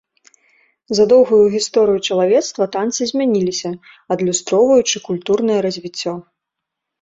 За доўгую гісторыю чалавецтва танцы змяняліся, адлюстроўваючы культурнае развіццё.